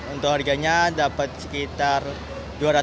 untuk harganya dapat sekitar rp dua ratus dua puluh